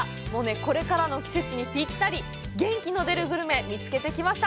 これからの季節にぴったり、元気の出るグルメ見つけてきました。